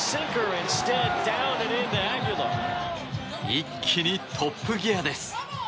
一気にトップギアです。